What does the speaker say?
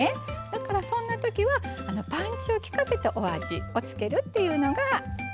だからそんなときはパンチをきかせたお味を付けるっていうのがオススメです。